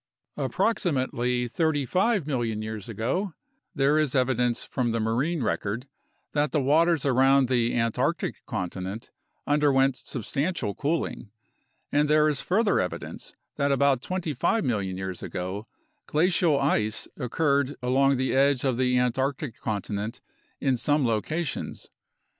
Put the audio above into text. Approxi mately 35 million years ago there is evidence from the marine record that the waters around the Antarctic continent underwent substantial cooling, and there is further evidence that about 25 million years ago glacial ice occurred along the edge of the Antarctic continent in some locations.